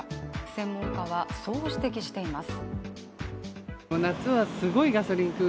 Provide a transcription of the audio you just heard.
専門家はそう指摘しています。